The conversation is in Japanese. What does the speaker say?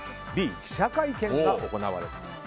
Ｂ、記者会見が行われた。